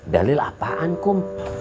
dalil apaan kum